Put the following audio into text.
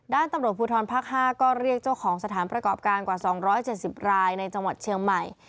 ตำรวจภูทรภาค๕ก็เรียกเจ้าของสถานประกอบการกว่า๒๗๐รายในจังหวัดเชียงใหม่